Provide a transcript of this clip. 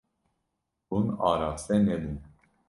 Hûn araste nebûn.